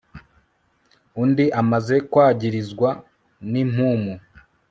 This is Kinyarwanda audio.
Undi amaze kwagirizwa nimpumu